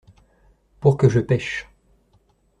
Pour que je pêche.